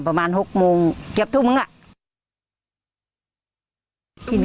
ประตูหินภูเขางาน